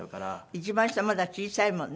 一番下まだ小さいもんね。